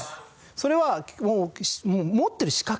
それはもう。